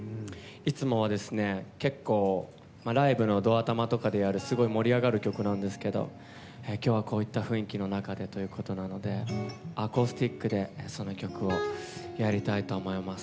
いつもは、結構ライブのど頭とかでやるすごい盛り上がる曲なんですけど今日はこういった雰囲気の中でということなのでアコースティックで、その曲をやりたいと思います。